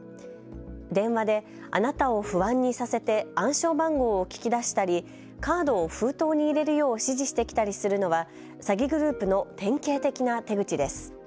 電話であなたを不安にさせて暗証番号を聞き出したりカードを封筒に入れるよう指示してきたりするのは詐欺グループの典型的な手口です。